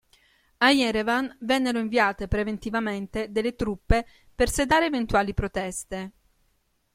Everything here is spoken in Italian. A Yerevan vennero inviate preventivamente delle truppe per sedare eventuali proteste.